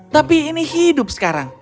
tapi ini hidup sekarang